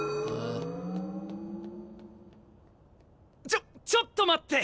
ちょちょっと待って！